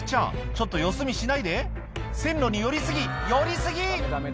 ちょっとよそ見しないで線路に寄り過ぎ寄り過ぎ！